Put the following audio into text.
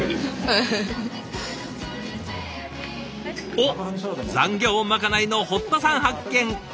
おっ残業まかないの堀田さん発見！